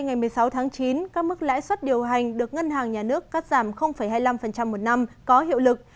ngày một mươi sáu tháng chín các mức lãi suất điều hành được ngân hàng nhà nước cắt giảm hai mươi năm một năm có hiệu lực